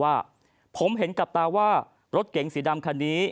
ว่าผมเห็นกับตาว่ารถเก๋งสีดำคันนี้